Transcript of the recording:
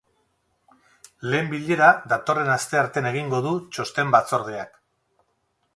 Lehen bilera datorren asteartean egingo du txosten-batzordeak.